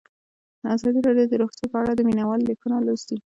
ازادي راډیو د روغتیا په اړه د مینه والو لیکونه لوستي.